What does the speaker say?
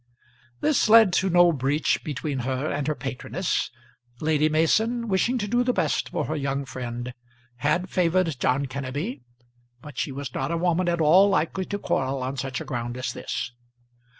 This led to no breach between her and her patroness. Lady Mason, wishing to do the best for her young friend, had favoured John Kenneby, but she was not a woman at all likely to quarrel on such a ground as this.